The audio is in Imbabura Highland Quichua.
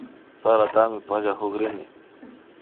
Saratami pallakukrini